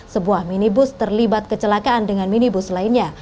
sebuah minibus terlibat kecelakaan dengan minibus lainnya